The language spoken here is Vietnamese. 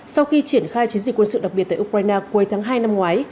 sau khi triển khai chiến dịch quân sự đặc biệt tại ukraine cuối tháng hai năm ngoái